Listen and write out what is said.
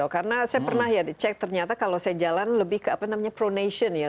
karena saya pernah ya dicek ternyata kalau saya jalan lebih ke apa namanya pronation ya